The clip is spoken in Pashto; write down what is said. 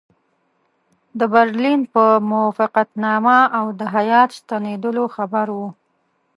د برلین په موافقتنامه او د هیات ستنېدلو خبر وو.